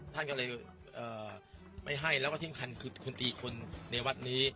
ท่านก็เลยไม่ให้แล้วที่มห์คันคือคุณตีนมนุษย์ในวัดนี้